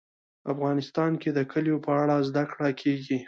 افغانستان کې د کلیو په اړه زده کړه کېږي.